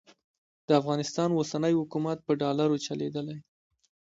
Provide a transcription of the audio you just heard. د افغانستان اوسنی حکومت په ډالرو چلېدلی.